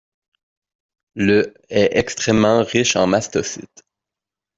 Le ' est extrêmement riche en mastocytes.